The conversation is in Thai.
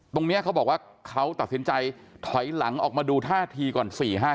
ตรงนี้เขาบอกว่าเขาตัดสินใจถอยหลังออกมาดู๕ทีก่อน